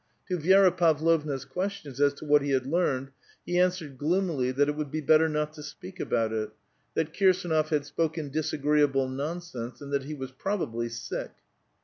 To Vi6ra Pavlovna's questions as to what he had learned, he answered gloomily that it would be better not to speak about it; that Kirsdnof had spoken disagreeable nonsense, and that he was probably sick.